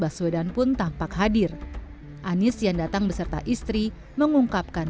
di jakarta anies baswedan pun tampak hadir anies yang datang beserta istri mengungkapkan